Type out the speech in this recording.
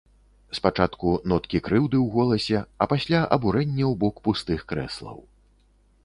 Спачатку ноткі крыўды ў голасе, а пасля абурэнне ў бок пустых крэслаў.